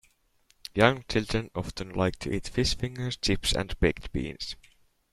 Young children often like to eat fish fingers, chips and baked beans